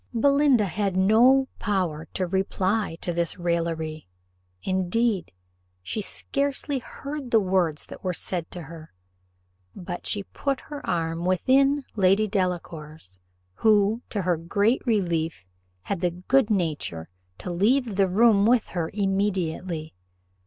Belinda had no power to reply to this raillery; indeed, she scarcely heard the words that were said to her; but she put her arm within Lady Delacour's, who, to her great relief, had the good nature to leave the room with her immediately.